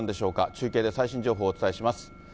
中継で最新情報をお伝えします。